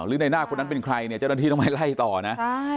หรือในน่าคนด้านเป็นใครเจ้าหน้าที่ต้องไปไล่ต่อนะ